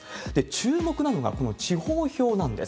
注目なのが、この地方票なんです。